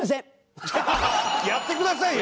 やってくださいよ！